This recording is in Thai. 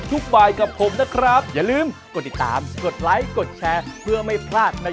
สวัสดีครับ